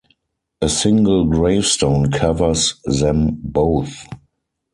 A single gravestone covers them both.